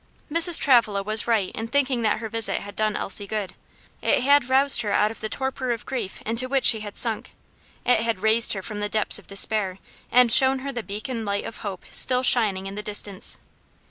Mrs. Travilla was right in thinking that her visit had done Elsie good; it had roused her out of the torpor of grief into which she had sunk; it had raised her from the depths of despair, and shown her the beacon light of hope still shining in the distance.